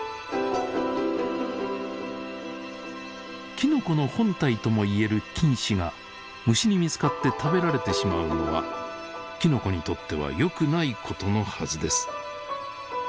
きのこの本体ともいえる菌糸が虫に見つかって食べられてしまうのはきのこにとってはよくないことのはずです。